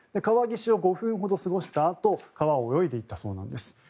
川岸を５分ほど過ごしたあと川を泳いでいったそうです。